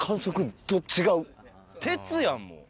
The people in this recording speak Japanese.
鉄やん、もう。